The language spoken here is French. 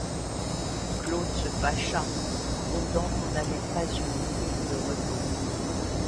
Claude se fâcha, grondant qu'on n'avait pas une minute de repos.